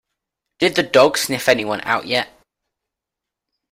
Did the dog sniff anyone out yet?